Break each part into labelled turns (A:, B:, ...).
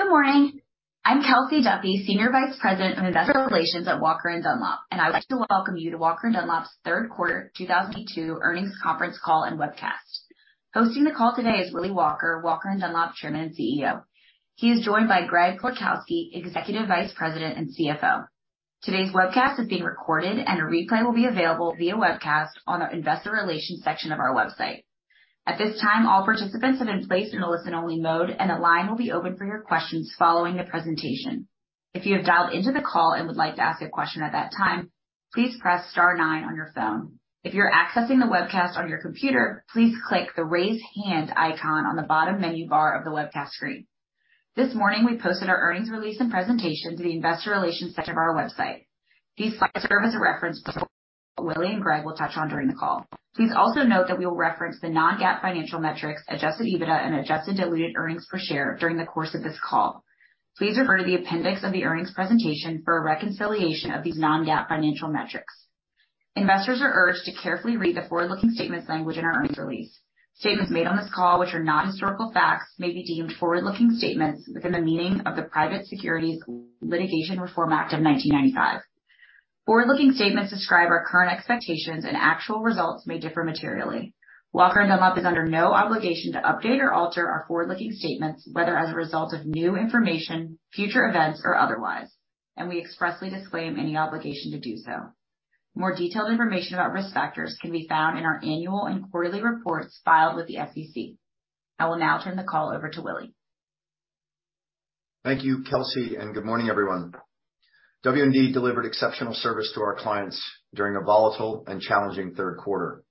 A: Good morning. I'm Kelsey Duffey, Senior Vice President of Investor Relations at Walker & Dunlop, and I would like to welcome you to Walker & Dunlop's third quarter 2022 earnings conference call and webcast. Hosting the call today is Willy Walker, Walker & Dunlop Chairman and CEO. He is joined by Greg Florkowski, Executive Vice President and CFO. Today's webcast is being recorded, and a replay will be available via webcast on our investor relations section of our website. At this time, all participants have been placed in a listen-only mode, and the line will be open for your questions following the presentation. If you have dialed into the call and would like to ask a question at that time, please press star nine on your phone. If you're accessing the webcast on your computer, please click the Raise Hand icon on the bottom menu bar of the webcast screen. This morning, we posted our earnings release and presentation to the investor relations section of our website. These slides serve as a reference point that Willy and Greg will touch on during the call. Please also note that we will reference the non-GAAP financial metrics, adjusted EBITDA, and adjusted diluted earnings per share during the course of this call. Please refer to the appendix of the earnings presentation for a reconciliation of these non-GAAP financial metrics. Investors are urged to carefully read the forward-looking statements language in our earnings release. Statements made on this call which are not historical facts may be deemed forward-looking statements within the meaning of the Private Securities Litigation Reform Act of 1995. Forward-looking statements describe our current expectations, and actual results may differ materially. Walker & Dunlop is under no obligation to update or alter our forward-looking statements, whether as a result of new information, future events, or otherwise, and we expressly disclaim any obligation to do so. More detailed information about risk factors can be found in our annual and quarterly reports filed with the SEC. I will now turn the call over to Willy.
B: Thank you, Kelsey, and good morning, everyone. WD delivered exceptional service to our clients during a volatile and challenging third quarter.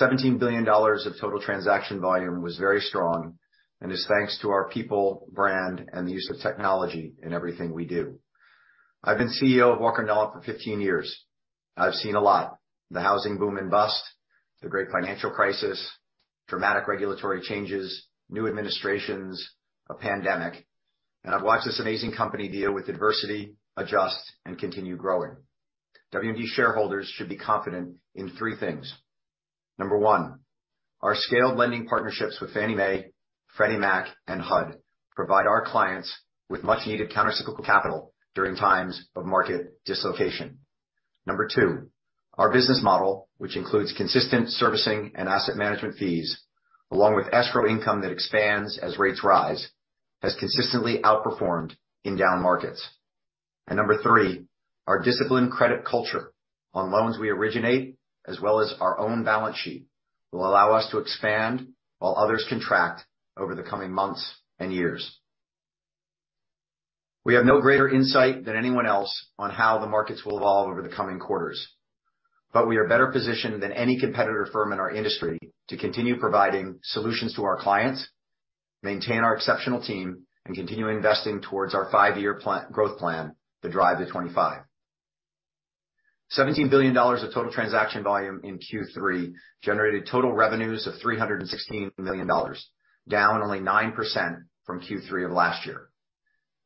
B: $17 billion of total transaction volume was very strong and is thanks to our people, brand, and the use of technology in everything we do. I've been CEO of Walker & Dunlop for 15 years. I've seen a lot. The housing boom and bust, the great financial crisis, dramatic regulatory changes, new administrations, a pandemic, and I've watched this amazing company deal with adversity, adjust, and continue growing. WD shareholders should be confident in three things. Number one, our scaled lending partnerships with Fannie Mae, Freddie Mac, and HUD provide our clients with much needed countercyclical capital during times of market dislocation. Number two, our business model, which includes consistent servicing and asset management fees, along with escrow income that expands as rates rise, has consistently outperformed in down markets. Number three, our disciplined credit culture on loans we originate as well as our own balance sheet will allow us to expand while others contract over the coming months and years. We have no greater insight than anyone else on how the markets will evolve over the coming quarters, but we are better positioned than any competitor firm in our industry to continue providing solutions to our clients, maintain our exceptional team, and continue investing towards our five-year plan, growth plan to Drive to '25. $17 billion of total transaction volume in Q3 generated total revenues of $316 million, down only 9% from Q3 of last year.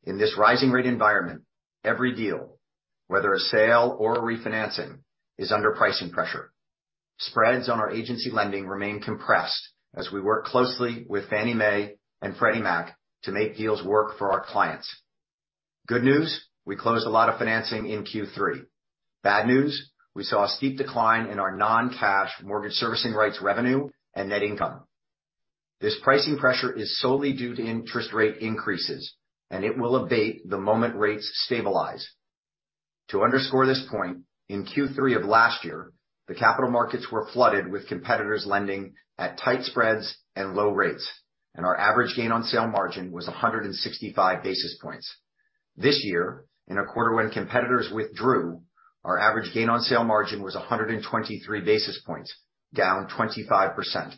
B: In this rising rate environment, every deal, whether a sale or a refinancing, is under pricing pressure. Spreads on our agency lending remain compressed as we work closely with Fannie Mae and Freddie Mac to make deals work for our clients. Good news, we closed a lot of financing in Q3. Bad news, we saw a steep decline in our non-cash mortgage servicing rights revenue and net income. This pricing pressure is solely due to interest rate increases, and it will abate the moment rates stabilize. To underscore this point, in Q3 of last year, the capital markets were flooded with competitors lending at tight spreads and low rates, and our average gain on sale margin was 165 basis points. This year, in a quarter when competitors withdrew, our average gain on sale margin was 123 basis points, down 25%.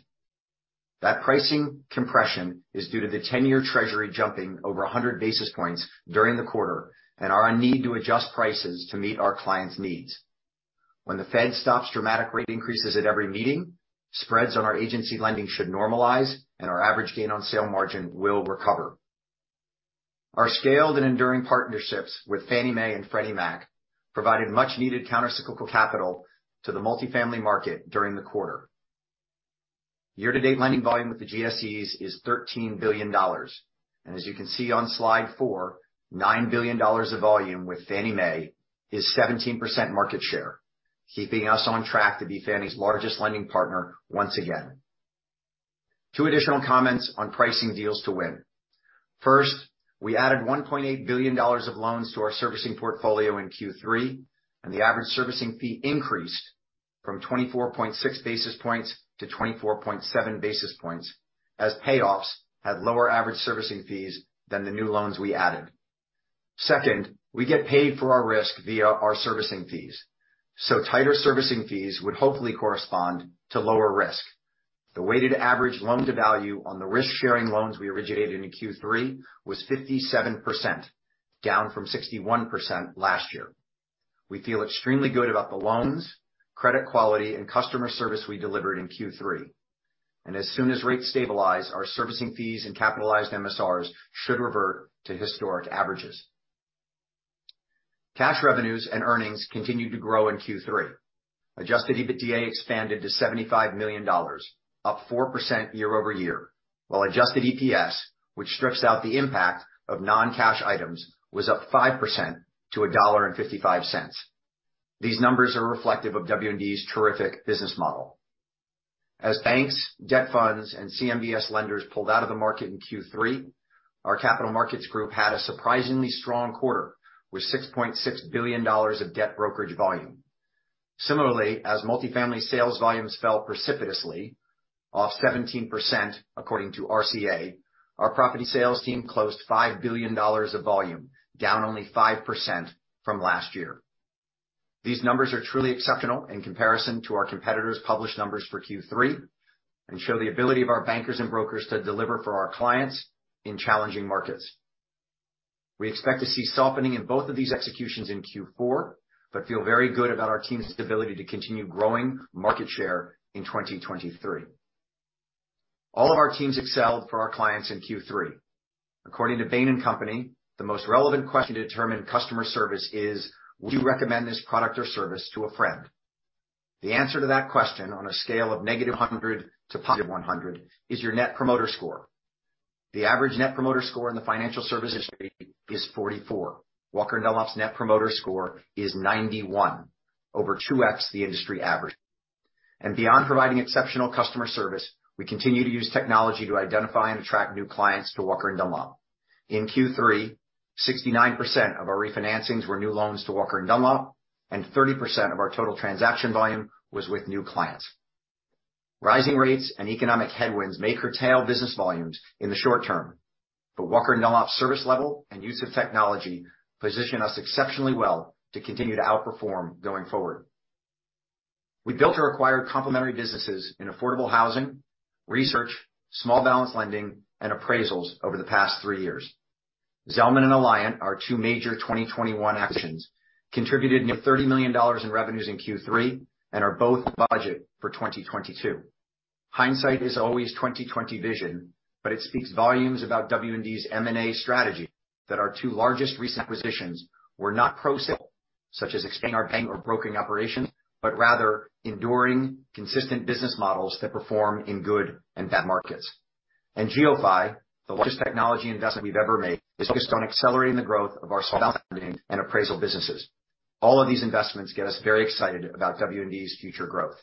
B: That pricing compression is due to the 10-year treasury jumping over 100 basis points during the quarter and our need to adjust prices to meet our clients' needs. When the Fed stops dramatic rate increases at every meeting, spreads on our agency lending should normalize, and our average gain on sale margin will recover. Our scaled and enduring partnerships with Fannie Mae and Freddie Mac provided much-needed countercyclical capital to the multifamily market during the quarter. Year-to-date lending volume with the GSEs is $13 billion. As you can see on slide four, $9 billion of volume with Fannie Mae is 17% market share, keeping us on track to be Fannie's largest lending partner once again. Two additional comments on pricing deals to win. First, we added $1.8 billion of loans to our servicing portfolio in Q3, and the average servicing fee increased from 24.6 basis points to 24.7 basis points, as payoffs had lower average servicing fees than the new loans we added. Second, we get paid for our risk via our servicing fees, so tighter servicing fees would hopefully correspond to lower risk. The weighted average loan-to-value on the risk-sharing loans we originated in Q3 was 57%, down from 61% last year. We feel extremely good about the loans, credit quality, and customer service we delivered in Q3. As soon as rates stabilize, our servicing fees and capitalized MSRs should revert to historic averages. Cash revenues and earnings continued to grow in Q3. Adjusted EBITDA expanded to $75 million, up 4% year-over-year, while adjusted EPS, which strips out the impact of non-cash items, was up 5% to $1.55. These numbers are reflective of WD's terrific business model. As banks, debt funds, and CMBS lenders pulled out of the market in Q3, our capital markets group had a surprisingly strong quarter, with $6.6 billion of debt brokerage volume. Similarly, as multifamily sales volumes fell precipitously, off 17% according to RCA, our property sales team closed $5 billion of volume, down only 5% from last year. These numbers are truly exceptional in comparison to our competitors' published numbers for Q3, and show the ability of our bankers and brokers to deliver for our clients in challenging markets. We expect to see softening in both of these executions in Q4, but feel very good about our team's ability to continue growing market share in 2023. All of our teams excelled for our clients in Q3. According to Bain & Company, the most relevant question to determine customer service is, would you recommend this product or service to a friend? The answer to that question on a scale of -100 to +100 is your Net Promoter Score. The average Net Promoter Score in the financial services industry is 44. Walker & Dunlop's Net Promoter Score is 91, over 2x the industry average. Beyond providing exceptional customer service, we continue to use technology to identify and attract new clients to Walker & Dunlop. In Q3, 69% of our refinancings were new loans to Walker & Dunlop, and 30% of our total transaction volume was with new clients. Rising rates and economic headwinds may curtail business volumes in the short term, but Walker & Dunlop's service level and use of technology position us exceptionally well to continue to outperform going forward. We built or acquired complementary businesses in affordable housing, research, small balance lending, and appraisals over the past three years. Zelman & Associates and Alliant Capital, our two major 2021 acquisitions, contributed near $30 million in revenues in Q3 and are both in budget for 2022. Hindsight is always 20/20 vision, but it speaks volumes about WD's M&A strategy that our two largest recent acquisitions were not pro-cyclical, such as expanding our bank or broking operations, but rather enduring consistent business models that perform in good and bad markets. GeoPhy, the largest technology investment we've ever made, is focused on accelerating the growth of our small balance lending and appraisal businesses. All of these investments get us very excited about WD's future growth.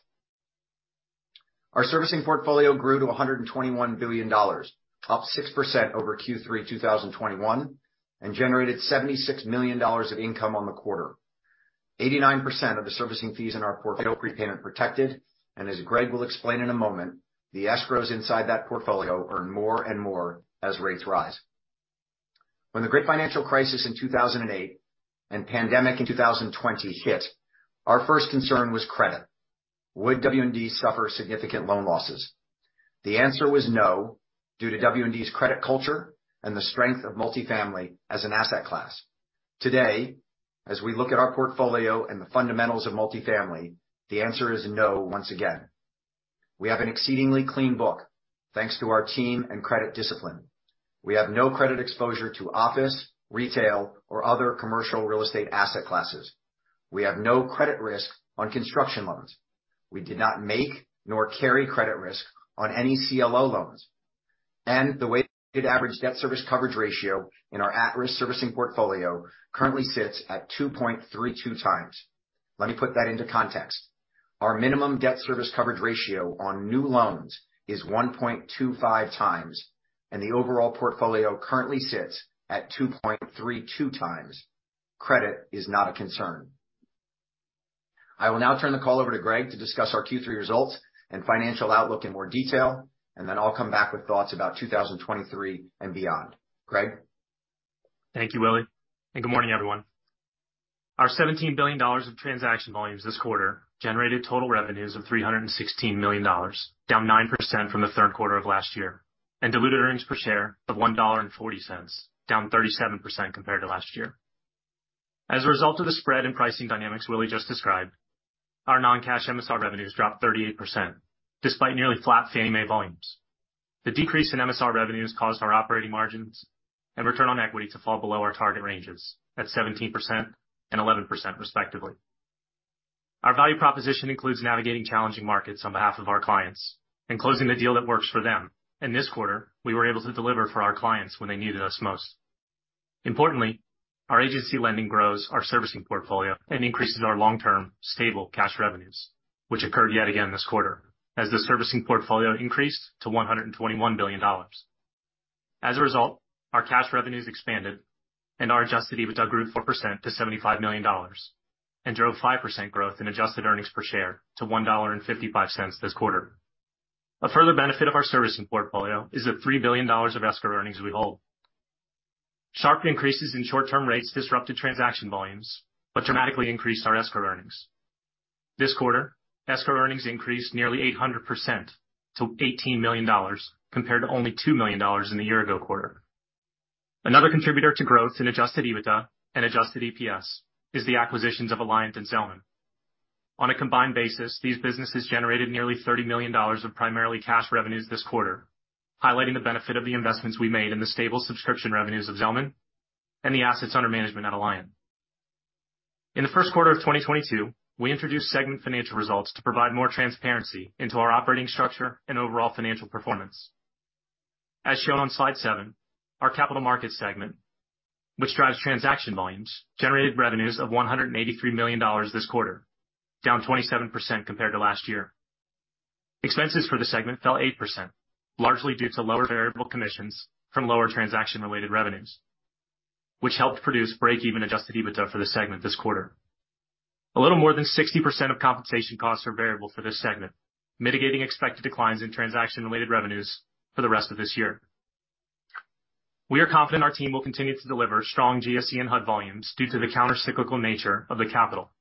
B: Our servicing portfolio grew to $121 billion, up 6% over Q3 2021, and generated $76 million of income on the quarter. 89% of the servicing fees in our portfolio are prepayment protected, and as Greg will explain in a moment, the escrows inside that portfolio earn more and more as rates rise. When the great financial crisis in 2008 and pandemic in 2020 hit, our first concern was credit. Would WD suffer significant loan losses? The answer was no, due to WD's credit culture and the strength of multifamily as an asset class. Today, as we look at our portfolio and the fundamentals of multifamily, the answer is no once again. We have an exceedingly clean book, thanks to our team and credit discipline. We have no credit exposure to office, retail, or other commercial real estate asset classes. We have no credit risk on construction loans. We did not make nor carry credit risk on any CLO loans. The weighted average debt service coverage ratio in our at-risk servicing portfolio currently sits at 2.32 times. Let me put that into context. Our minimum debt service coverage ratio on new loans is 1.25 times, and the overall portfolio currently sits at 2.32 times. Credit is not a concern. I will now turn the call over to Greg to discuss our Q3 results and financial outlook in more detail, and then I'll come back with thoughts about 2023 and beyond. Greg?
C: Thank you, Willy, and good morning, everyone. Our $17 billion of transaction volumes this quarter generated total revenues of $316 million, down 9% from the third quarter of last year, and diluted earnings per share of $1.40, down 37% compared to last year. As a result of the spread in pricing dynamics Willy just described, our non-cash MSR revenues dropped 38% despite nearly flat Fannie Mae volumes. The decrease in MSR revenues caused our operating margins and return on equity to fall below our target ranges at 17% and 11%, respectively. Our value proposition includes navigating challenging markets on behalf of our clients and closing the deal that works for them. This quarter, we were able to deliver for our clients when they needed us most. Importantly, our agency lending grows our servicing portfolio and increases our long-term stable cash revenues, which occurred yet again this quarter as the servicing portfolio increased to $121 billion. As a result, our cash revenues expanded and our adjusted EBITDA grew 4% to $75 million and drove 5% growth in adjusted earnings per share to $1.55 this quarter. A further benefit of our servicing portfolio is the $3 billion of escrow earnings we hold. Sharp increases in short-term rates disrupted transaction volumes but dramatically increased our escrow earnings. This quarter, escrow earnings increased nearly 800% to $18 million, compared to only $2 million in the year ago quarter. Another contributor to growth in adjusted EBITDA and adjusted EPS is the acquisitions of Alliant and Zelman. On a combined basis, these businesses generated nearly $30 million of primarily cash revenues this quarter, highlighting the benefit of the investments we made in the stable subscription revenues of Zelman and the assets under management at Alliant. In the first quarter of 2022, we introduced segment financial results to provide more transparency into our operating structure and overall financial performance. As shown on slide seven, our capital markets segment, which drives transaction volumes, generated revenues of $183 million this quarter, down 27% compared to last year. Expenses for the segment fell 8%, largely due to lower variable commissions from lower transaction-related revenues, which helped produce break-even adjusted EBITDA for the segment this quarter. A little more than 60% of compensation costs are variable for this segment, mitigating expected declines in transaction-related revenues for the rest of this year. We are confident our team will continue to deliver strong GSE and HUD volumes due to the counter-cyclical nature of the capital,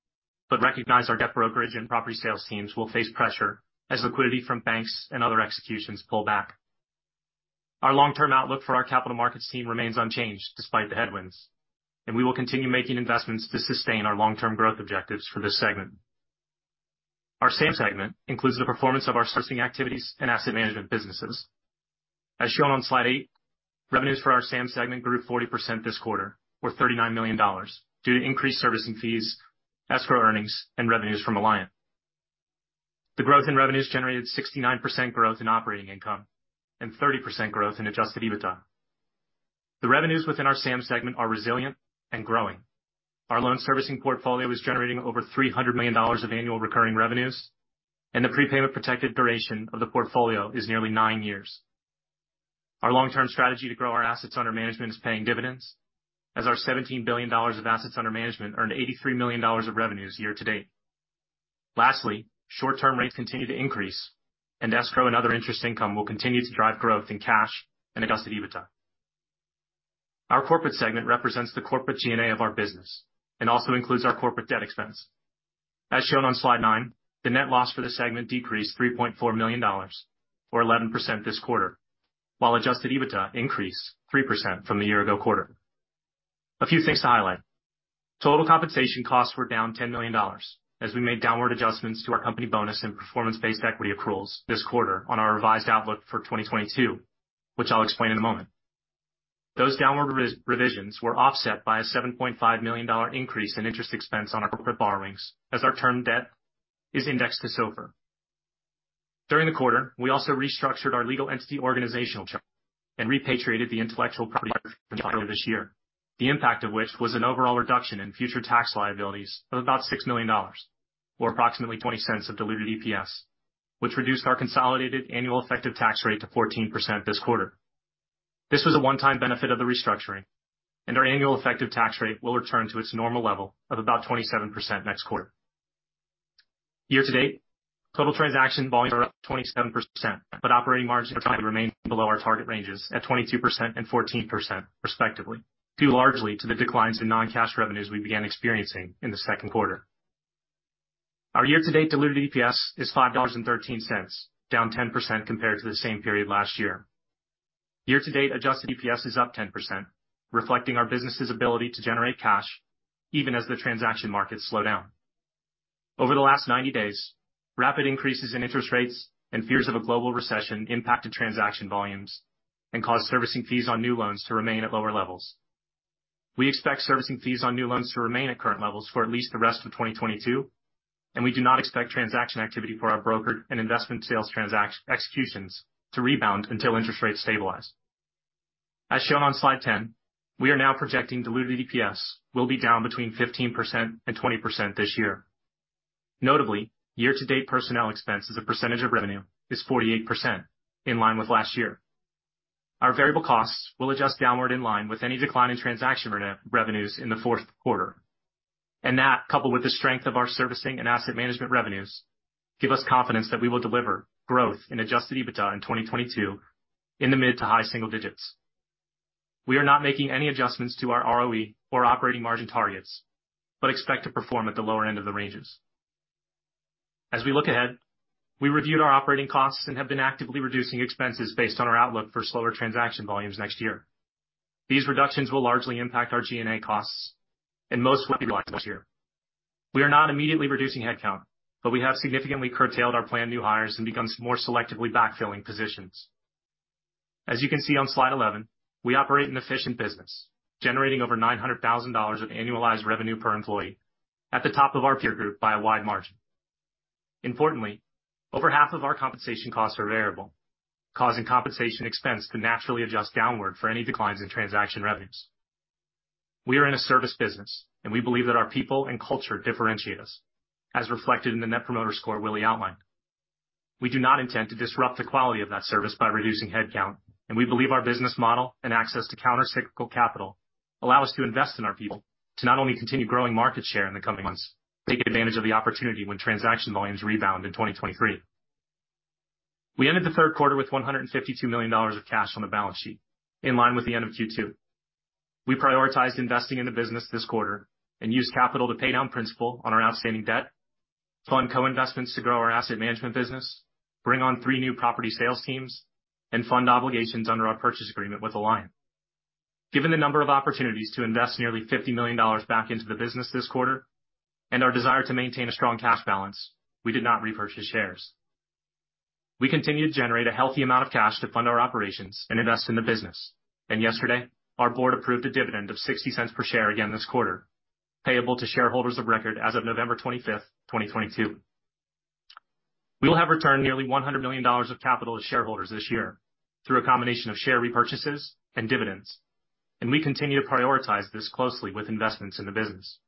C: but recognize our debt brokerage and property sales teams will face pressure as liquidity from banks and other executions pull back. Our long-term outlook for our capital markets team remains unchanged despite the headwinds, and we will continue making investments to sustain our long-term growth objectives for this segment. Our SAM segment includes the performance of our servicing activities and asset management businesses. As shown on slide eight, revenues for our SAM segment grew 40% this quarter, or $39 million, due to increased servicing fees, escrow earnings, and revenues from Alliant. The growth in revenues generated 69% growth in operating income and 30% growth in adjusted EBITDA. The revenues within our SAM segment are resilient and growing. Our loan servicing portfolio is generating over $300 million of annual recurring revenues, and the prepayment protected duration of the portfolio is nearly nine years. Our long-term strategy to grow our assets under management is paying dividends as our $17 billion of assets under management earned $83 million of revenues year-to-date. Lastly, short-term rates continue to increase and escrow and other interest income will continue to drive growth in cash and adjusted EBITDA. Our corporate segment represents the corporate G&A of our business and also includes our corporate debt expense. As shown on slide nine, the net loss for the segment decreased $3.4 million, or 11% this quarter, while adjusted EBITDA increased 3% from the year ago quarter. A few things to highlight. Total compensation costs were down $10 million as we made downward adjustments to our company bonus and performance-based equity accruals this quarter on our revised outlook for 2022, which I'll explain in a moment. Those downward revisions were offset by a $7.5 million increase in interest expense on our corporate borrowings as our term debt is indexed to SOFR. During the quarter, we also restructured our legal entity organizational chart and repatriated the intellectual property earlier this year, the impact of which was an overall reduction in future tax liabilities of about $6 million, or approximately $0.20 of diluted EPS, which reduced our consolidated annual effective tax rate to 14% this quarter. This was a one-time benefit of the restructuring, and our annual effective tax rate will return to its normal level of about 27% next quarter. Year-to-date, total transaction volumes are up 27%, but operating margins are trending to remain below our target ranges at 22% and 14% respectively, due largely to the declines in non-cash revenues we began experiencing in the second quarter. Our year-to-date diluted EPS is $5.13, down 10% compared to the same period last year. Year-to-date adjusted EPS is up 10%, reflecting our business's ability to generate cash even as the transaction markets slow down. Over the last 90 days, rapid increases in interest rates and fears of a global recession impacted transaction volumes and caused servicing fees on new loans to remain at lower levels. We expect servicing fees on new loans to remain at current levels for at least the rest of 2022, and we do not expect transaction activity for our brokered and investment sales executions to rebound until interest rates stabilize. As shown on slide 10, we are now projecting diluted EPS will be down between 15% and 20% this year. Notably, year-to-date personnel expense as a percentage of revenue is 48%, in line with last year. Our variable costs will adjust downward in line with any decline in transaction revenues in the fourth quarter. That, coupled with the strength of our servicing and asset management revenues, give us confidence that we will deliver growth in adjusted EBITDA in 2022 in the mid- to high-single digits. We are not making any adjustments to our ROE or operating margin targets, but expect to perform at the lower end of the ranges. As we look ahead, we reviewed our operating costs and have been actively reducing expenses based on our outlook for slower transaction volumes next year. These reductions will largely impact our G&A costs and most this year. We are not immediately reducing headcount, but we have significantly curtailed our planned new hires and become more selectively backfilling positions. As you can see on slide 11, we operate an efficient business, generating over $900,000 of annualized revenue per employee at the top of our peer group by a wide margin. Importantly, over half of our compensation costs are variable, causing compensation expense to naturally adjust downward for any declines in transaction revenues. We are in a service business and we believe that our people and culture differentiate us, as reflected in the Net Promoter Score Willy outlined. We do not intend to disrupt the quality of that service by reducing headcount, and we believe our business model and access to counter-cyclical capital allow us to invest in our people to not only continue growing market share in the coming months, taking advantage of the opportunity when transaction volumes rebound in 2023. We ended the third quarter with $152 million of cash on the balance sheet, in line with the end of Q2. We prioritized investing in the business this quarter and used capital to pay down principal on our outstanding debt, fund co-investments to grow our asset management business, bring on three new property sales teams, and fund obligations under our purchase agreement with Alliant. Given the number of opportunities to invest nearly $50 million back into the business this quarter and our desire to maintain a strong cash balance, we did not repurchase shares. We continue to generate a healthy amount of cash to fund our operations and invest in the business. Yesterday, our board approved a dividend of $0.60 per share again this quarter, payable to shareholders of record as of November 25, 2022. We will have returned nearly $100 million of capital to shareholders this year through a combination of share repurchases and dividends, and we continue to prioritize this closely with investments in the business.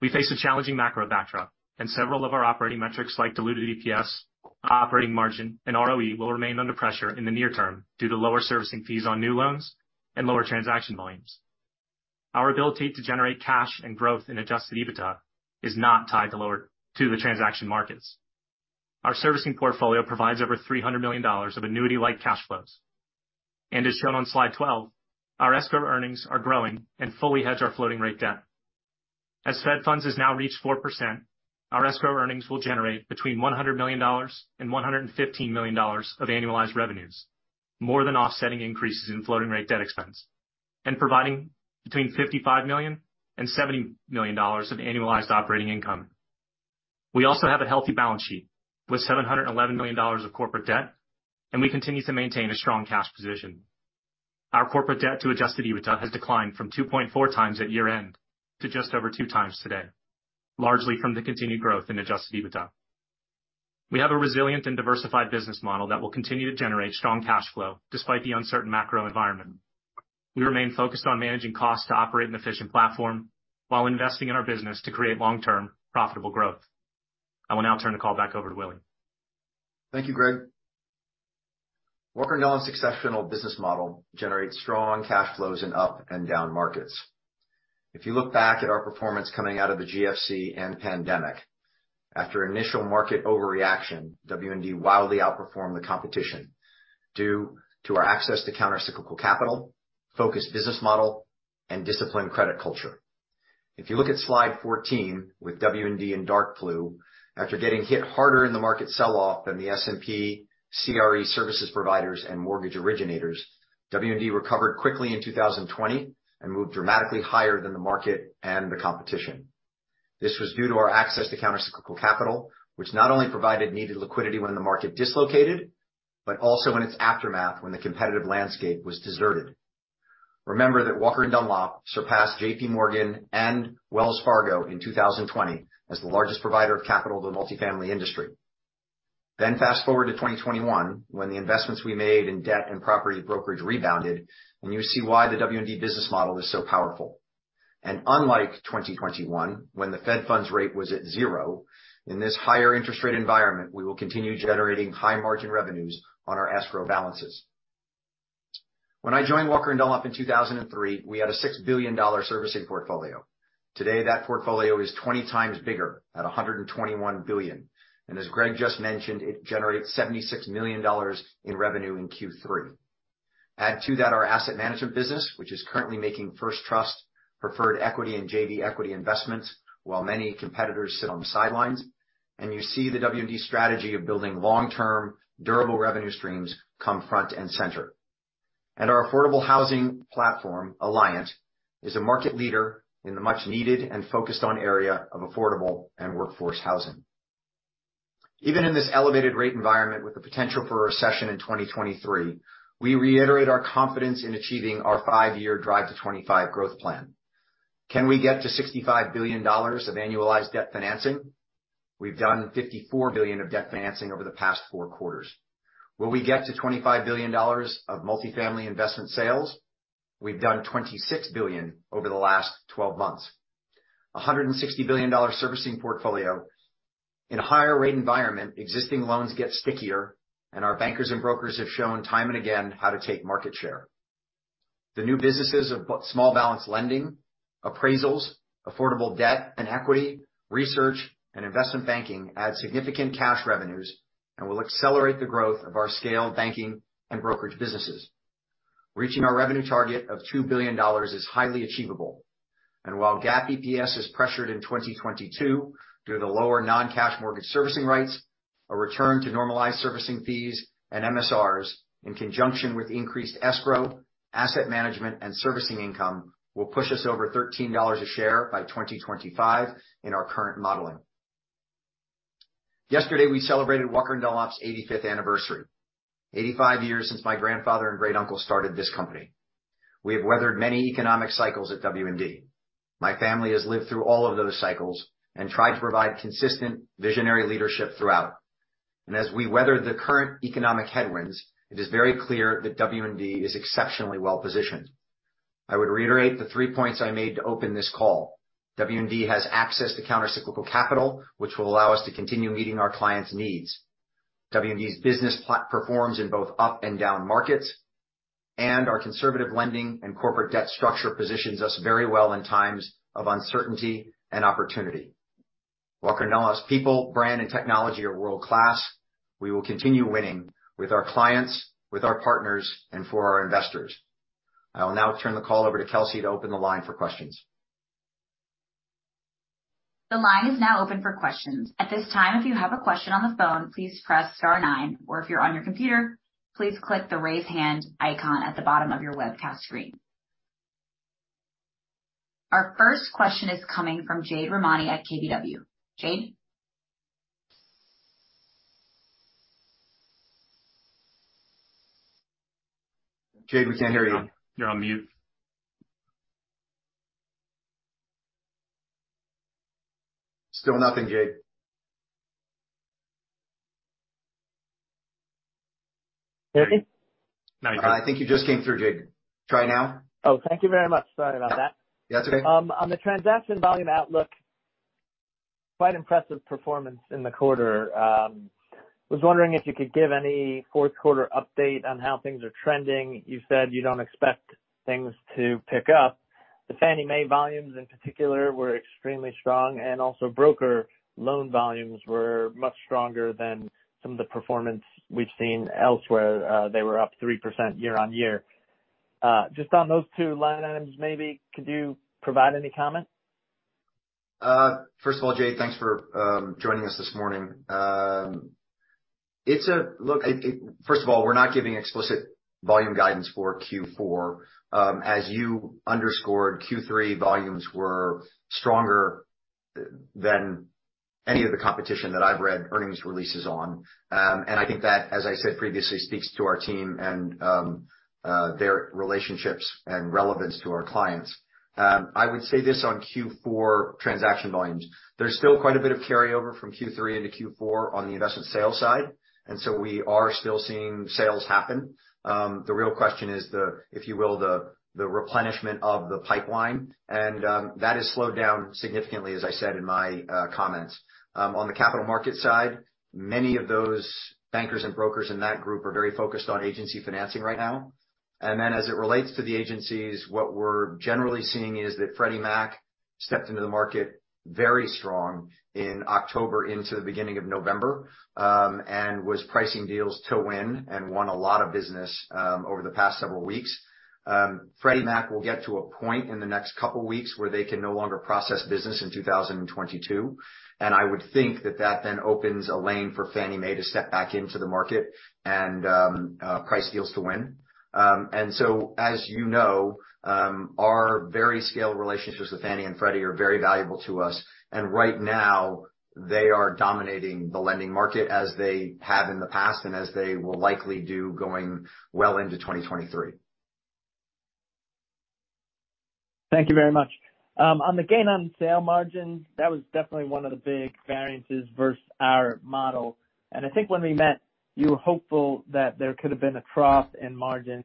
C: We face a challenging macro backdrop and several of our operating metrics like diluted EPS, operating margin, and ROE will remain under pressure in the near term due to lower servicing fees on new loans and lower transaction volumes. Our ability to generate cash and growth in adjusted EBITDA is not tied to the transaction markets. Our servicing portfolio provides over $300 million of annuity-like cash flows. As shown on slide 12, our escrow earnings are growing and fully hedge our floating rate debt. As Fed funds has now reached 4%, our escrow earnings will generate between $100 million and $115 million of annualized revenues, more than offsetting increases in floating rate debt expense and providing between $55 million and $70 million of annualized operating income. We also have a healthy balance sheet with $711 million of corporate debt, and we continue to maintain a strong cash position. Our corporate debt to adjusted EBITDA has declined from 2.4x at year-end to just over 2x today, largely from the continued growth in adjusted EBITDA. We have a resilient and diversified business model that will continue to generate strong cash flow despite the uncertain macro environment. We remain focused on managing costs to operate an efficient platform while investing in our business to create long-term profitable growth. I will now turn the call back over to Willy.
B: Thank you, Greg. Walker & Dunlop's successful business model generates strong cash flows in up and down markets. If you look back at our performance coming out of the GFC and pandemic, after initial market overreaction, WD wildly outperformed the competition due to our access to countercyclical capital, focused business model, and disciplined credit culture. If you look at slide 14 with WD in dark blue, after getting hit harder in the market sell-off than the S&P CRE services providers and mortgage originators, WD recovered quickly in 2020 and moved dramatically higher than the market and the competition. This was due to our access to countercyclical capital, which not only provided needed liquidity when the market dislocated, but also in its aftermath when the competitive landscape was deserted. Remember that Walker & Dunlop surpassed J.P. Morgan and Wells Fargo in 2020 as the largest provider of capital to multifamily industry. Fast-forward to 2021 when the investments we made in debt and property brokerage rebounded, and you see why the WD business model is so powerful. Unlike 2021, when the Fed funds rate was at zero, in this higher interest rate environment, we will continue generating high margin revenues on our escrow balances. When I joined Walker & Dunlop in 2003, we had a $6 billion servicing portfolio. Today, that portfolio is 20 times bigger at $121 billion. As Greg just mentioned, it generates $76 million in revenue in Q3. Add to that our asset management business, which is currently making first trust preferred equity in JV equity investments, while many competitors sit on the sidelines, and you see the WD strategy of building long-term durable revenue streams come front and center. Our affordable housing platform, Alliant, is a market leader in the much needed and focused on area of affordable and workforce housing. Even in this elevated rate environment with the potential for a recession in 2023, we reiterate our confidence in achieving our five-year Drive to '25 growth plan. Can we get to $65 billion of annualized debt financing? We've done $54 billion of debt financing over the past four quarters. Will we get to $25 billion of multifamily investment sales? We've done $26 billion over the last twelve months. $160 billion servicing portfolio. In a higher rate environment, existing loans get stickier, and our bankers and brokers have shown time and again how to take market share. The new businesses of small balance lending, appraisals, affordable debt and equity, research, and investment banking add significant cash revenues and will accelerate the growth of our scaled banking and brokerage businesses. Reaching our revenue target of $2 billion is highly achievable. While GAAP EPS is pressured in 2022 due to lower non-cash mortgage servicing rights, a return to normalized servicing fees and MSRs in conjunction with increased escrow, asset management, and servicing income will push us over $13 a share by 2025 in our current modeling. Yesterday, we celebrated Walker & Dunlop's 85th anniversary, 85 years since my grandfather and great uncle started this company. We have weathered many economic cycles at WD. My family has lived through all of those cycles and tried to provide consistent visionary leadership throughout. As we weather the current economic headwinds, it is very clear that WD is exceptionally well-positioned. I would reiterate the three points I made to open this call. WD has access to countercyclical capital, which will allow us to continue meeting our clients' needs. WD's business performs in both up and down markets, and our conservative lending and corporate debt structure positions us very well in times of uncertainty and opportunity. Walker & Dunlop's people, brand, and technology are world-class. We will continue winning with our clients, with our partners, and for our investors. I will now turn the call over to Kelsey to open the line for questions.
A: The line is now open for questions. At this time, if you have a question on the phone, please press star nine. Or if you're on your computer, please click the Raise Hand icon at the bottom of your webcast screen. Our first question is coming from Jade Rahmani at KBW. Jade?
B: Jade, we can't hear you.
C: You're on mute.
B: Still nothing, Jade.
D: Can you hear me?
C: Now you can.
B: I think you just came through, Jade. Try now.
D: Oh, thank you very much. Sorry about that.
B: That's okay.
D: On the transaction volume outlook, quite impressive performance in the quarter. Was wondering if you could give any fourth quarter update on how things are trending. You said you don't expect things to pick up. The Fannie Mae volumes in particular were extremely strong, and also broker loan volumes were much stronger than some of the performance we've seen elsewhere. They were up 3% year-over-year. Just on those two line items maybe, could you provide any comment?
B: First of all, Jade, thanks for joining us this morning. Look, first of all, we're not giving explicit volume guidance for Q4. As you underscored, Q3 volumes were stronger than any of the competition that I've read earnings releases on. I think that, as I said previously, speaks to our team and their relationships and relevance to our clients. I would say this on Q4 transaction volumes. There's still quite a bit of carryover from Q3 into Q4 on the investment sales side, and so we are still seeing sales happen. The real question is the, if you will, replenishment of the pipeline. That has slowed down significantly, as I said in my comments. On the capital markets side, many of those bankers and brokers in that group are very focused on agency financing right now. As it relates to the agencies, what we're generally seeing is that Freddie Mac stepped into the market very strong in October into the beginning of November, and was pricing deals to win and won a lot of business over the past several weeks. Freddie Mac will get to a point in the next couple weeks where they can no longer process business in 2022, and I would think that then opens a lane for Fannie Mae to step back into the market and price deals to win. As you know, our very scaled relationships with Fannie and Freddie are very valuable to us. Right now, they are dominating the lending market as they have in the past and as they will likely do going well into 2023.
D: Thank you very much. On the gain on sale margins, that was definitely one of the big variances versus our model. I think when we met, you were hopeful that there could have been a trough in margins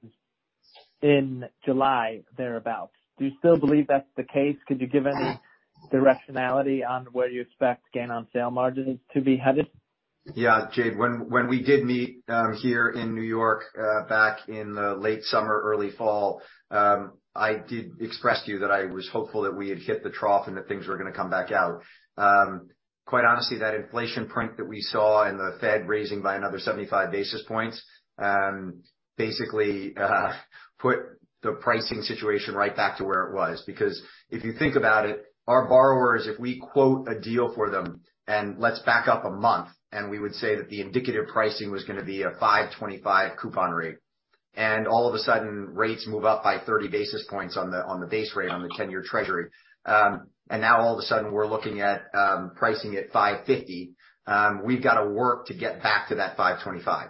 D: in July, thereabout. Do you still believe that's the case? Could you give any directionality on where you expect gain on sale margins to be headed?
B: Yeah. Jade, when we did meet here in New York back in the late summer, early fall, I did express to you that I was hopeful that we had hit the trough and that things were gonna come back out. Quite honestly, that inflation print that we saw and the Fed raising by another 75 basis points basically put the pricing situation right back to where it was. Because if you think about it, our borrowers, if we quote a deal for them, and let's back up a month, and we would say that the indicative pricing was gonna be a 5.25 coupon rate. All of a sudden, rates move up by 30 basis points on the base rate on the 10-year Treasury. Now all of a sudden, we're looking at pricing at 5.50. We've got to work to get back to that 5.25.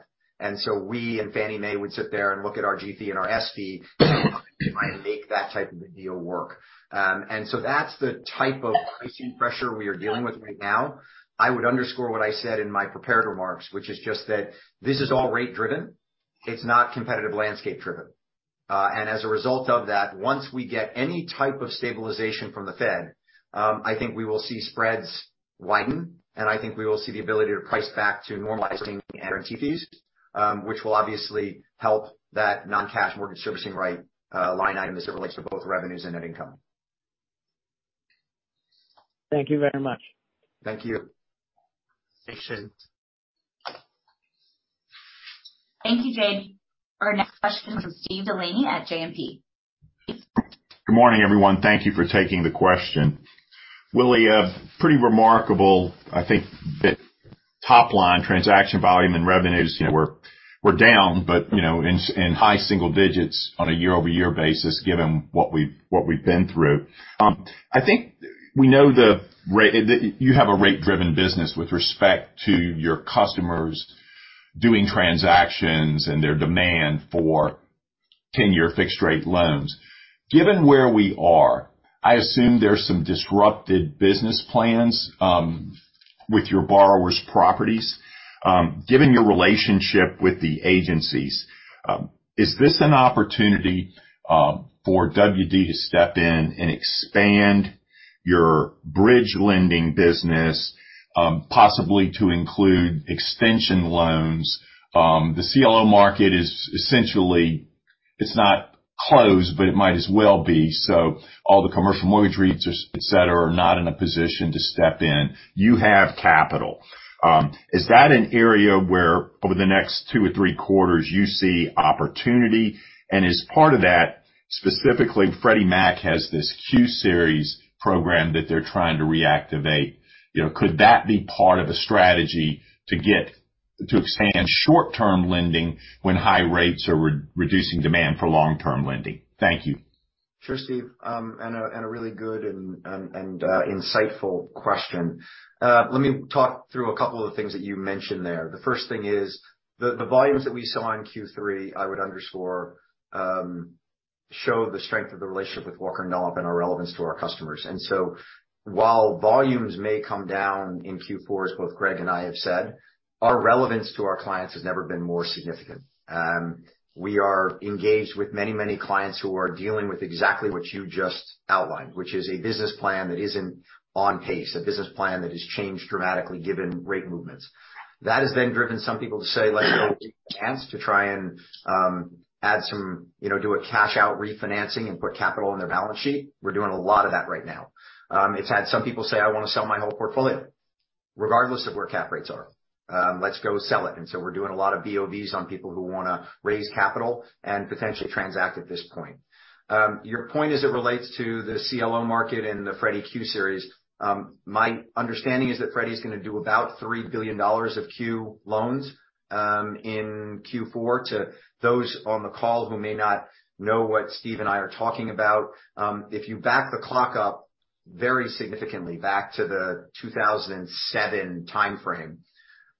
B: We and Fannie Mae would sit there and look at our G-fee and our S-fee and try and make that type of a deal work. That's the type of pricing pressure we are dealing with right now. I would underscore what I said in my prepared remarks, which is just that this is all rate driven. It's not competitive landscape driven. As a result of that, once we get any type of stabilization from the Fed, I think we will see spreads widen, and I think we will see the ability to price back to normalizing guarantee fees, which will obviously help that non-cash mortgage servicing right line item as it relates to both revenues and net income.
D: Thank you very much.
B: Thank you.
A: Thanks, Jade. Thank you, Jade. Our next question is from Steve Delaney at JMP. Steve?
E: Good morning, everyone. Thank you for taking the question. Willy, a pretty remarkable, I think, bit. Top line transaction volume and revenues, you know, were down, but you know in high single digits on a year-over-year basis, given what we've been through. I think we know that you have a rate-driven business with respect to your customers doing transactions and their demand for ten-year fixed rate loans. Given where we are, I assume there's some disrupted business plans with your borrowers' properties. Given your relationship with the agencies, is this an opportunity for WD to step in and expand your bridge lending business, possibly to include extension loans? The CLO market is essentially. It's not closed, but it might as well be. All the commercial mortgage REITs, et cetera, are not in a position to step in. You have capital. Is that an area where over the next two or three quarters you see opportunity? As part of that, specifically, Freddie Mac has this Q-Series program that they're trying to reactivate. You know, could that be part of a strategy to expand short-term lending when high rates are reducing demand for long-term lending. Thank you.
B: Sure, Steve. A really good and insightful question. Let me talk through a couple of the things that you mentioned there. The first thing is the volumes that we saw in Q3, I would underscore, show the strength of the relationship with Walker & Dunlop and our relevance to our customers. While volumes may come down in Q4, as both Greg and I have said, our relevance to our clients has never been more significant. We are engaged with many clients who are dealing with exactly what you just outlined, which is a business plan that isn't on pace, a business plan that has changed dramatically given rate movements. That has then driven some people to say, "Let's go take a chance to try and add some. You know, do a cash-out refinancing and put capital on their balance sheet. We're doing a lot of that right now. It's had some people say, "I wanna sell my whole portfolio regardless of where cap rates are. Let's go sell it." We're doing a lot of BOVs on people who wanna raise capital and potentially transact at this point. Your point as it relates to the CLO market and the Freddie Q-Series, my understanding is that Freddie's gonna do about $3 billion of Q loans in Q4. To those on the call who may not know what Steve and I are talking about, if you back the clock up very significantly back to the 2007 timeframe,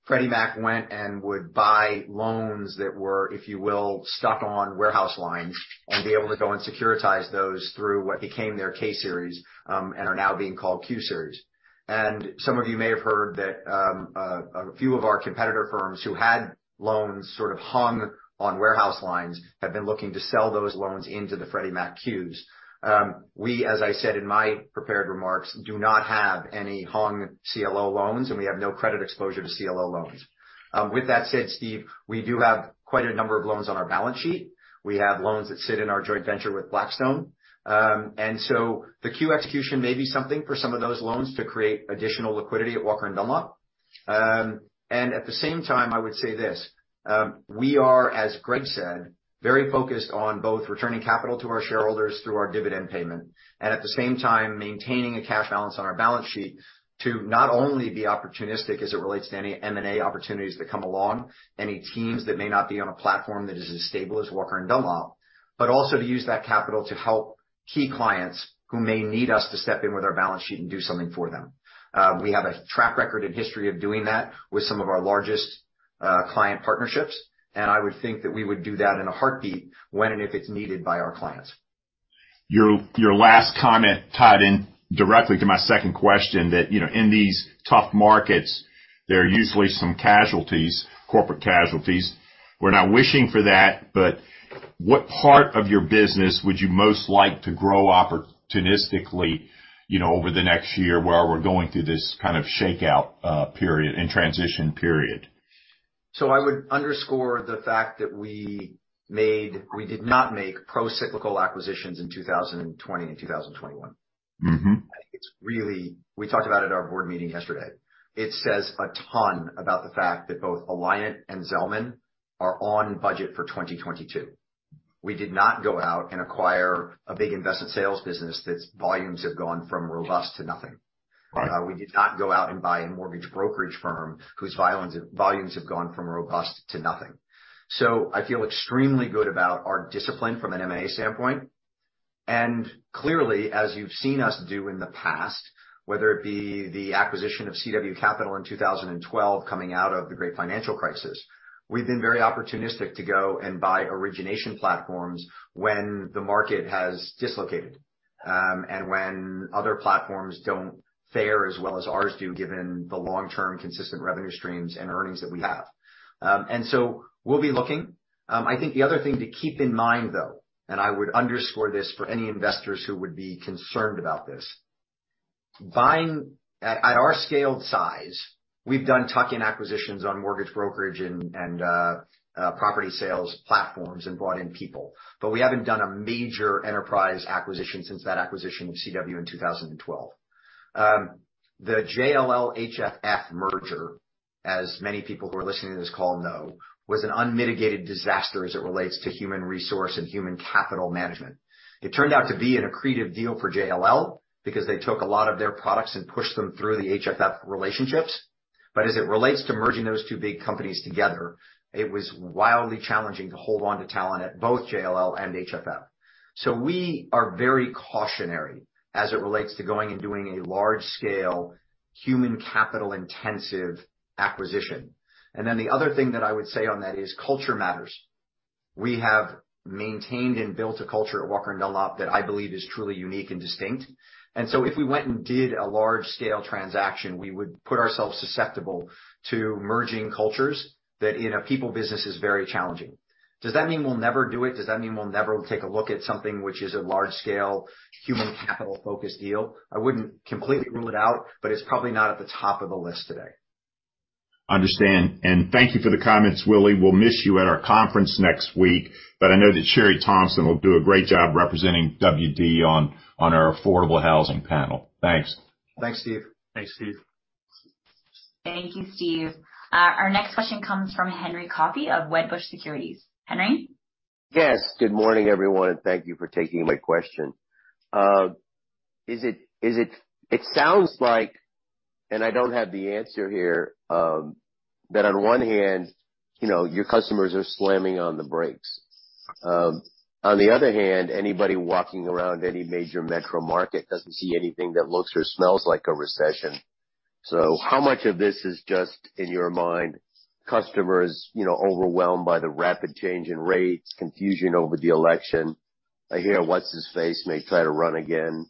B: Freddie Mac went and would buy loans that were, if you will, stuck on warehouse lines and be able to go and securitize those through what became their K-Series, and are now being called Q-Series. Some of you may have heard that, a few of our competitor firms who had loans sort of hung on warehouse lines have been looking to sell those loans into the Freddie Mac Qs. We, as I said in my prepared remarks, do not have any hung CLO loans, and we have no credit exposure to CLO loans. With that said, Steve, we do have quite a number of loans on our balance sheet. We have loans that sit in our joint venture with Blackstone. The Q execution may be something for some of those loans to create additional liquidity at Walker & Dunlop. At the same time, I would say this, we are, as Greg said, very focused on both returning capital to our shareholders through our dividend payment. At the same time, maintaining a cash balance on our balance sheet to not only be opportunistic as it relates to any M&A opportunities that come along, any teams that may not be on a platform that is as stable as Walker & Dunlop. Also to use that capital to help key clients who may need us to step in with our balance sheet and do something for them. We have a track record and history of doing that with some of our largest client partnerships. I would think that we would do that in a heartbeat when and if it's needed by our clients.
E: Your last comment tied in directly to my second question that, you know, in these tough markets, there are usually some casualties, corporate casualties. We're not wishing for that, but what part of your business would you most like to grow opportunistically, you know, over the next year, where we're going through this kind of shakeout, period and transition period?
B: I would underscore the fact that we did not make pro-cyclical acquisitions in 2020 and 2021.
E: Mm-hmm.
B: I think it's really. We talked about it at our board meeting yesterday. It says a ton about the fact that both Alliant and Zelman are on budget for 2022. We did not go out and acquire a big investment sales business whose volumes have gone from robust to nothing.
E: Right.
B: We did not go out and buy a mortgage brokerage firm whose volumes have gone from robust to nothing. I feel extremely good about our discipline from an M&A standpoint. Clearly, as you've seen us do in the past, whether it be the acquisition of CWCapital in 2012, coming out of the great financial crisis, we've been very opportunistic to go and buy origination platforms when the market has dislocated, and when other platforms don't fare as well as ours do, given the long-term consistent revenue streams and earnings that we have. We'll be looking. I think the other thing to keep in mind, though, and I would underscore this for any investors who would be concerned about this. Buying at our scaled size, we've done tuck-in acquisitions on mortgage brokerage and property sales platforms and brought in people. We haven't done a major enterprise acquisition since that acquisition of CW in 2012. The JLL HFF merger, as many people who are listening to this call know, was an unmitigated disaster as it relates to human resource and human capital management. It turned out to be an accretive deal for JLL because they took a lot of their products and pushed them through the HFF relationships. As it relates to merging those two big companies together, it was wildly challenging to hold on to talent at both JLL and HFF. We are very cautionary as it relates to going and doing a large-scale human capital intensive acquisition. The other thing that I would say on that is culture matters. We have maintained and built a culture at Walker & Dunlop that I believe is truly unique and distinct. If we went and did a large-scale transaction, we would put ourselves susceptible to merging cultures that in a people business is very challenging. Does that mean we'll never do it? Does that mean we'll never take a look at something which is a large-scale human capital focused deal? I wouldn't completely rule it out, but it's probably not at the top of the list today.
E: Understand. Thank you for the comments, Willy. We'll miss you at our conference next week. I know that Sheri Thompson will do a great job representing WD on our affordable housing panel. Thanks.
B: Thanks, Steve.
A: Thank you, Steve. Our next question comes from Henry Coffey of Wedbush Securities. Henry?
F: Yes. Good morning, everyone, and thank you for taking my question. Is it sounds like, and I don't have the answer here, that on one hand, you know, your customers are slamming on the brakes. On the other hand, anybody walking around any major metro market doesn't see anything that looks or smells like a recession. How much of this is just, in your mind, customers, you know, overwhelmed by the rapid change in rates, confusion over the election? I hear what's-his-face may try to run again.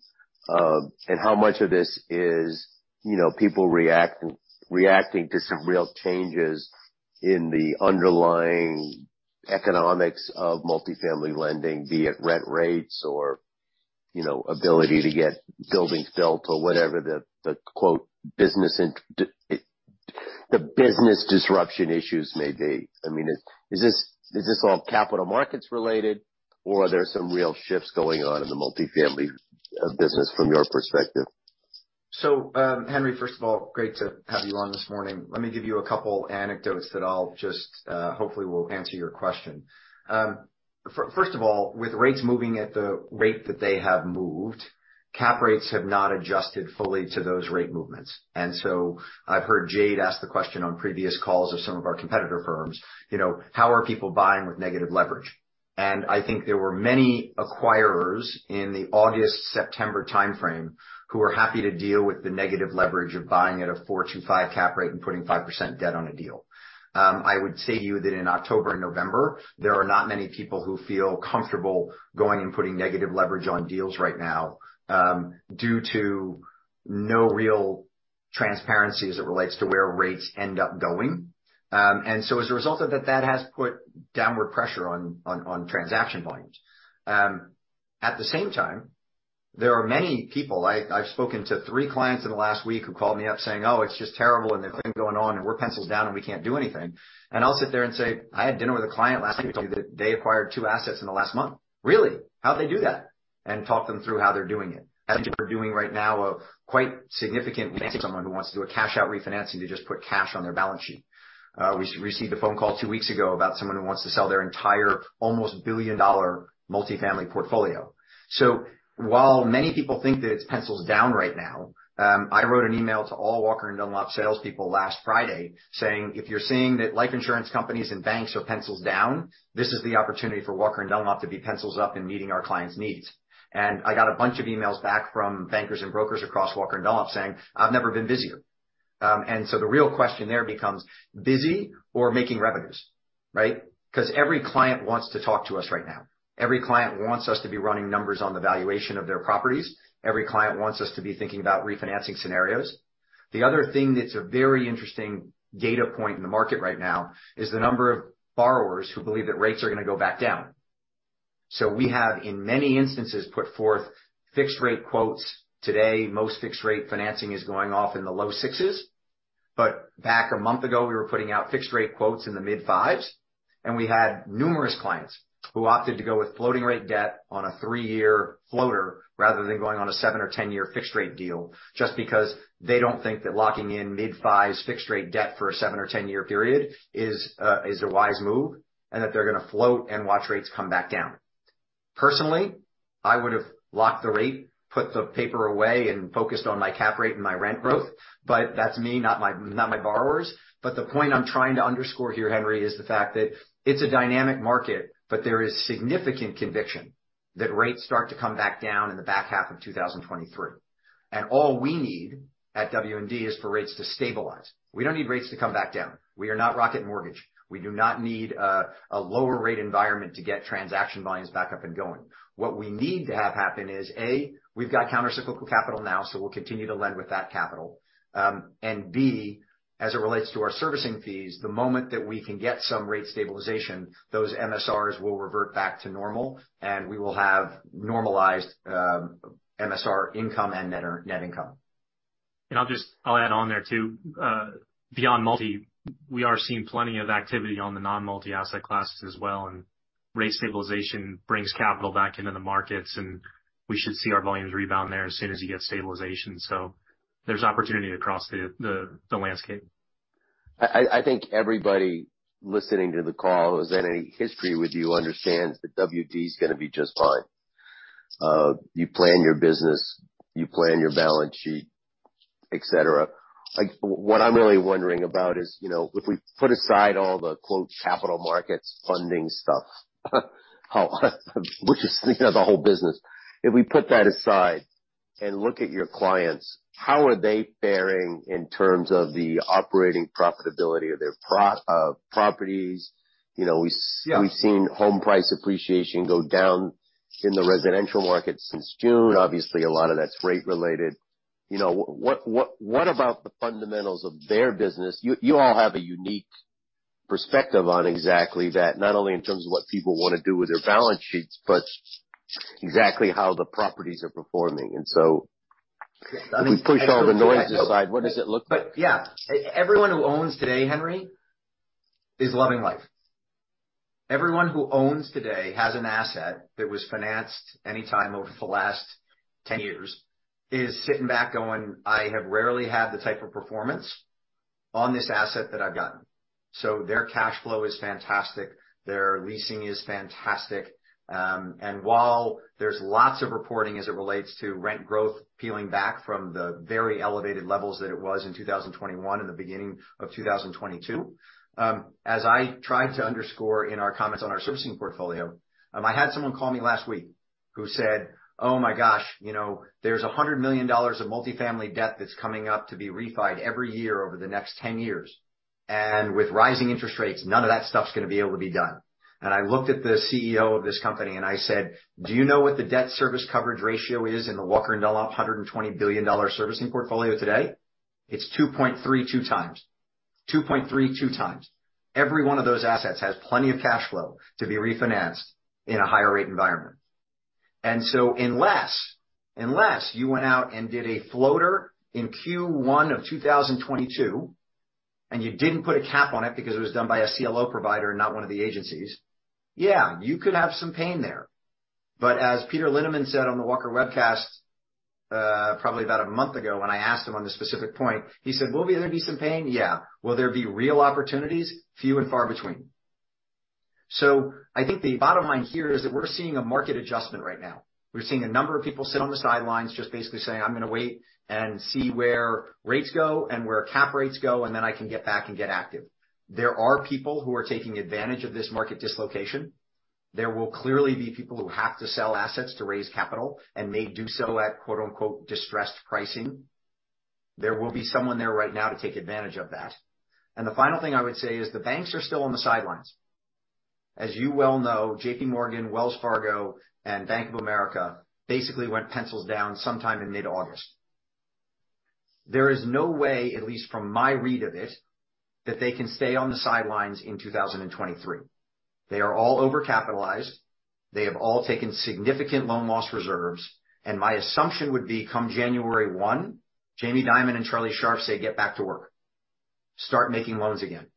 F: And how much of this is, you know, people reacting to some real changes in the underlying economics of multifamily lending, be it rent rates or, you know, ability to get buildings built or whatever the business disruption issues may be. I mean, is this all capital markets related or are there some real shifts going on in the multifamily business from your perspective?
B: Henry, first of all, great to have you on this morning. Let me give you a couple anecdotes that I'll just hopefully will answer your question. First of all, with rates moving at the rate that they have moved, cap rates have not adjusted fully to those rate movements. I've heard Jade ask the question on previous calls of some of our competitor firms, you know, "How are people buying with negative leverage?" I think there were many acquirers in the August-September timeframe who are happy to deal with the negative leverage of buying at a 4-5 cap rate and putting 5% debt on a deal. I would say to you that in October and November, there are not many people who feel comfortable going and putting negative leverage on deals right now, due to no real transparency as it relates to where rates end up going. As a result of that has put downward pressure on transaction volumes. At the same time, there are many people. I've spoken to three clients in the last week who called me up saying, "Oh, it's just terrible, and there's nothing going on, and we're pencils down and we can't do anything." I'll sit there and say, "I had dinner with a client last night who told me that they acquired two assets in the last month." "Really? How'd they do that?" Talk them through how they're doing it. I think we're doing right now a quite significant financing someone who wants to do a cash out refinancing to just put cash on their balance sheet. We received a phone call two weeks ago about someone who wants to sell their entire almost billion-dollar multifamily portfolio. While many people think that it's pencils down right now, I wrote an email to all Walker & Dunlop salespeople last Friday saying, "If you're seeing that life insurance companies and banks are pencils down, this is the opportunity for Walker & Dunlop to be pencils up in meeting our clients' needs." I got a bunch of emails back from bankers and brokers across Walker & Dunlop saying, "I've never been busier." The real question there becomes busy or making revenues, right? 'Cause every client wants to talk to us right now. Every client wants us to be running numbers on the valuation of their properties. Every client wants us to be thinking about refinancing scenarios. The other thing that's a very interesting data point in the market right now is the number of borrowers who believe that rates are gonna go back down. We have, in many instances, put forth fixed rate quotes. Today, most fixed rate financing is going off in the low sixes. Back a month ago, we were putting out fixed rate quotes in the mid-fives, and we had numerous clients who opted to go with floating rate debt on a three-year floater rather than going on a seven or 10-year fixed rate deal, just because they don't think that locking in mid-fives fixed rate debt for a seven or 10-year period is a wise move and that they're gonna float and watch rates come back down. Personally, I would have locked the rate, put the paper away, and focused on my cap rate and my rent growth. That's me, not my borrowers. The point I'm trying to underscore here, Henry, is the fact that it's a dynamic market, but there is significant conviction that rates start to come back down in the back half of 2023. All we need at WD is for rates to stabilize. We don't need rates to come back down. We are not Rocket Mortgage. We do not need a lower rate environment to get transaction volumes back up and going. What we need to have happen is, A, we've got countercyclical capital now, so we'll continue to lend with that capital. And B, as it relates to our servicing fees, the moment that we can get some rate stabilization, those MSRs will revert back to normal and we will have normalized MSR income and net income.
C: I'll add on there, too. Beyond multi, we are seeing plenty of activity on the non-multi asset classes as well, and rate stabilization brings capital back into the markets, and we should see our volumes rebound there as soon as you get stabilization. There's opportunity across the landscape.
F: I think everybody listening to the call who has any history with you understands that WD is gonna be just fine. You plan your business, you plan your balance sheet, et cetera. Like, what I'm really wondering about is, you know, if we put aside all the, quote, "capital markets funding stuff," which is, you know, the whole business. If we put that aside and look at your clients, how are they faring in terms of the operating profitability of their properties? You know, we
B: Yeah.
F: We've seen home price appreciation go down in the residential market since June. Obviously, a lot of that's rate related. You know, what about the fundamentals of their business? You all have a unique perspective on exactly that, not only in terms of what people wanna do with their balance sheets, but exactly how the properties are performing. If we push all the noise aside, what does it look like?
B: Yeah. Everyone who owns today, Henry, is loving life. Everyone who owns today has an asset that was financed anytime over the last 10 years is sitting back going, "I have rarely had the type of performance on this asset that I've gotten." Their cash flow is fantastic, their leasing is fantastic. And while there's lots of reporting as it relates to rent growth peeling back from the very elevated levels that it was in 2021 and the beginning of 2022, as I tried to underscore in our comments on our servicing portfolio, I had someone call me last week who said, "Oh my gosh, you know, there's $100 million of multifamily debt that's coming up to be refinanced every year over the next 10 years. With rising interest rates, none of that stuff's gonna be able to be done. I looked at the CEO of this company and I said, "Do you know what the debt service coverage ratio is in the Walker & Dunlop $120 billion servicing portfolio today? It's 2.32 times. 2.32 times. Every one of those assets has plenty of cash flow to be refinanced in a higher rate environment." Unless you went out and did a floater in Q1 of 2022, and you didn't put a cap on it because it was done by a CLO provider, not one of the agencies, yeah, you could have some pain there. As Peter Linneman said on the Walker & Dunlop webcast, probably about a month ago when I asked him on this specific point, he said, "Will there be some pain? Yeah. Will there be real opportunities? Few and far between." I think the bottom line here is that we're seeing a market adjustment right now. We're seeing a number of people sit on the sidelines just basically saying, "I'm gonna wait and see where rates go and where cap rates go, and then I can get back and get active." There are people who are taking advantage of this market dislocation. There will clearly be people who have to sell assets to raise capital, and may do so at quote-unquote, distressed pricing. There will be someone there right now to take advantage of that. The final thing I would say is the banks are still on the sidelines. As you well know, J.P. Morgan, Wells Fargo, and Bank of America basically went pencils down sometime in mid-August. There is no way, at least from my read of it, that they can stay on the sidelines in 2023. They are all overcapitalized, they have all taken significant loan loss reserves, and my assumption would be, come January 1, Jamie Dimon and Charlie Scharf say, "Get back to work. Start making loans again."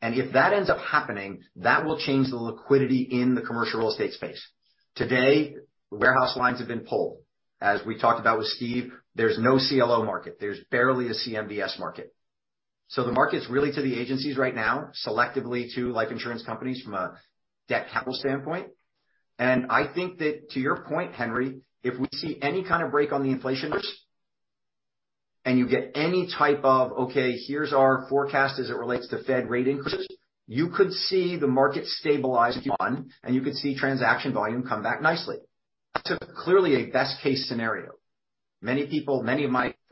B: If that ends up happening, that will change the liquidity in the commercial real estate space. Today, warehouse lines have been pulled. As we talked about with Steve, there's no CLO market, there's barely a CMBS market. The market's really to the agencies right now, selectively to life insurance companies from a debt capital standpoint. I think that to your point, Henry, if we see any kind of break on the inflation numbers and you get any type of, okay, here's our forecast as it relates to Fed rate increases, you could see the market stabilize, and you could see transaction volume come back nicely. That's clearly a best-case scenario. Many people,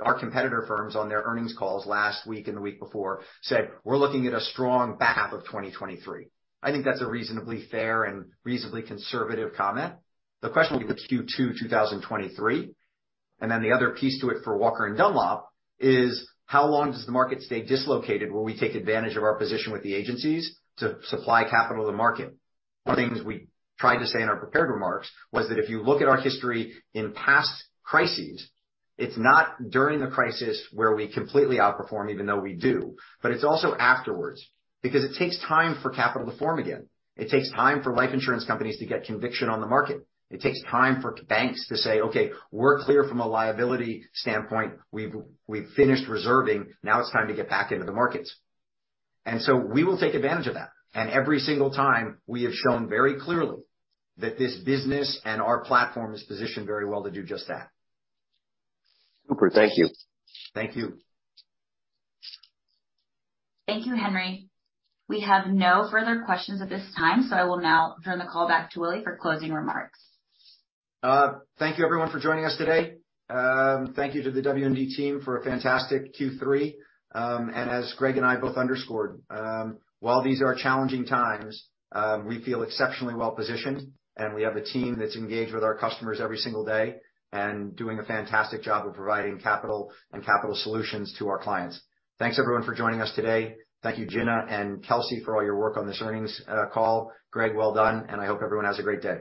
B: our competitor firms on their earnings calls last week and the week before said, "We're looking at a strong back half of 2023." I think that's a reasonably fair and reasonably conservative comment. The question will be with Q2 2023, and then the other piece to it for Walker & Dunlop is how long does the market stay dislocated where we take advantage of our position with the agencies to supply capital to the market? One of the things we tried to say in our prepared remarks was that if you look at our history in past crises, it's not during the crisis where we completely outperform, even though we do, but it's also afterwards. Because it takes time for capital to form again. It takes time for life insurance companies to get conviction on the market. It takes time for banks to say, "Okay, we're clear from a liability standpoint. We've finished reserving. Now it's time to get back into the markets." We will take advantage of that. Every single time, we have shown very clearly that this business and our platform is positioned very well to do just that. Super. Thank you. Thank you.
G: Thank you, Henry. We have no further questions at this time, so I will now turn the call back to Willy for closing remarks.
B: Thank you everyone for joining us today. Thank you to the WD team for a fantastic Q3. As Greg and I both underscored, while these are challenging times, we feel exceptionally well positioned, and we have a team that's engaged with our customers every single day and doing a fantastic job of providing capital and capital solutions to our clients. Thanks everyone for joining us today. Thank you, Jenna and Kelsey, for all your work on this earnings call. Greg, well done, and I hope everyone has a great day.